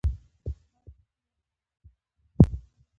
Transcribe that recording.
هر څه وخت غواړي، زغم لرل ضروري دي.